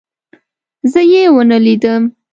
زه يې ونه لیدم.